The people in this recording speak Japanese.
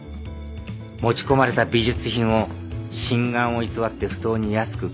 持ち込まれた美術品を真贋を偽って不当に安く買い上げ。